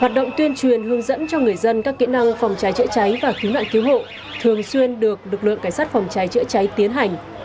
hoạt động tuyên truyền hướng dẫn cho người dân các kỹ năng phòng trái chữa trái và cứu nạn cứu hộ thường xuyên được lực lượng cảnh sát phòng trái chữa trái tiến hành